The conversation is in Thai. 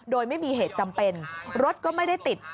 โดยไม่มีเหตุจำเป็นรถก็ไม่ได้ติด